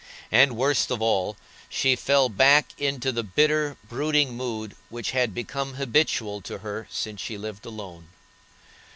And, worst of all, she fell back into the bitter, brooding mood which had become habitual to her since she lived alone.